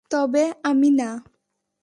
তবে আমি না।